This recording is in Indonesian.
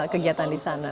kegiatan di sana